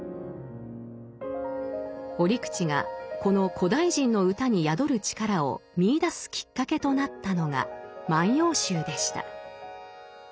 折口がこの古代人の歌に宿る力を見いだすきっかけとなったのが「万葉集」でした。